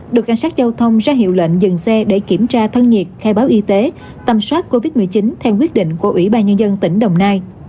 đội cảnh sát giao thông ra hiệu lệnh dừng xe để kiểm tra thân nhiệt khai báo y tế tầm soát covid một mươi chín theo quyết định của ủy ban nhân dân tỉnh đồng nai